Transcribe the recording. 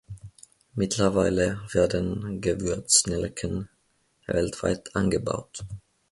Mittlerweile werden Gewürznelken weltweit angebaut.